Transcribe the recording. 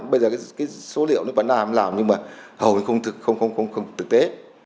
bây giờ cái số liệu nó vẫn làm nhưng mà hầu như không thực tế